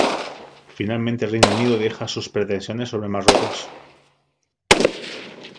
Finalmente Reino Unido deja sus pretensiones sobre Marruecos.